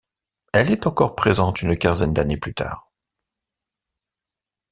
Elle est encore présente une quinzaine d'années plus tard.